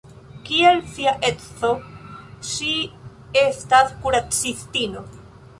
Kiel sia edzo, ŝi estas kuracistino.